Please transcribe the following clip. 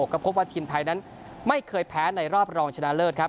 ก็พบว่าทีมไทยนั้นไม่เคยแพ้ในรอบรองชนะเลิศครับ